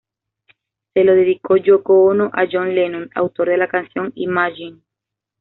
Se lo dedicó Yoko Ono a John Lennon, autor de la canción "Imagine".